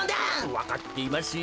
わかっていますよ。